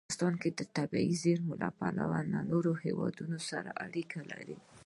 افغانستان د طبیعي زیرمې له پلوه له نورو هېوادونو سره اړیکې لري.